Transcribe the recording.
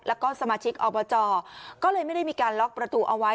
แล้วก็สมาชิกอบจก็เลยไม่ได้มีการล็อกประตูเอาไว้